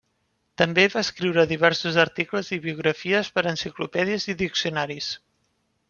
També va escriure diversos articles i biografies per enciclopèdies i diccionaris.